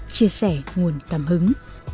chia sẻ nguồn cảm hứng